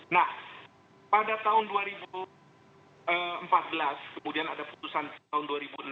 nah pada tahun dua ribu empat belas kemudian ada putusan tahun dua ribu enam belas